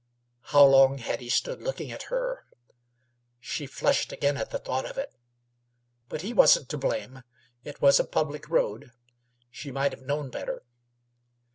How long had he stood looking at her? She flushed again at the thought of it. But he wasn't to blame; it was a public road. She might have known better.